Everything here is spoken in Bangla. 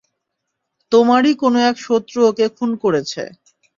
তোমারই কোনো এক শত্রু ওকে খুন করেছে।